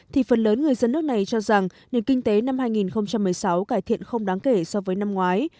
thì phần lớn người dân nước này cho rằng nền kinh tế năm hai nghìn một mươi sáu cải thiện không đáng kể so với năm ngoái